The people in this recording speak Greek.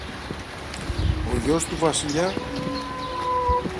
Ο γιος του Βασιλιά;